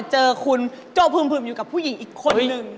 เจอคุณโจ้พึ่มอยู่กับผู้หญิงอีกคนนึง